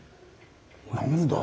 何だ？